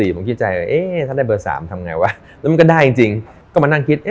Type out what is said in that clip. ผมคิดใจเอ๊ะถ้าได้เบอร์๓ทำไงวะแล้วมันก็ได้จริง